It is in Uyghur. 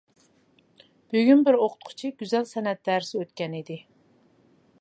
بۈگۈن بىر ئوقۇتقۇچى گۈزەل سەنئەت دەرسى ئۆتكەن ئىدى.